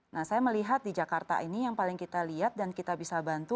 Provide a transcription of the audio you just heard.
nah saya melihat di jakarta ini yang paling kita lihat dan kita bisa bantu